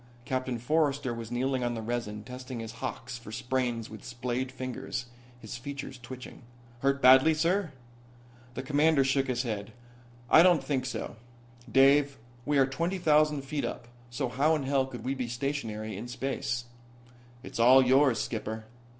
Captain Forrester was kneeling on the resin testing his hocks for sprains with splayed fingers, his features twitching. "Hurt badly, sir?" The Commander shook his head. "I don't think so. Dave, we are twenty thousand feet up, so how in hell could we be stationary in space?" "It's all yours, skipper."